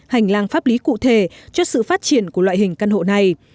hành lang pháp lý cụ thể cho sự phát triển của loại hình căn hộ này